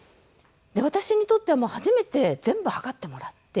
私にとっては初めて全部測ってもらって。